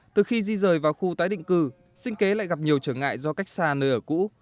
từ khi di rời vào khu tái định cư sinh kế lại gặp nhiều trở ngại do cách xa nơi ở cũ